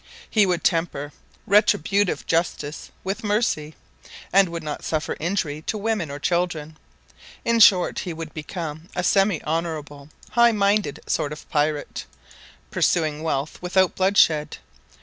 He would temper retributive justice with mercy, and would not suffer injury to women or children. In short, he would become a semi honourable, high minded sort of pirate, pursuing wealth without bloodshed!